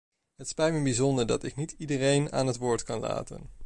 Het spijt me bijzonder dat ik niet iedereen aan het woord kan laten.